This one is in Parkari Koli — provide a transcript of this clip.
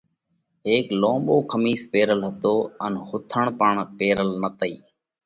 هيڪ لونٻو کمِيس پيرل هتو ان ۿُونٿڻ پڻ پيرل نتئِي۔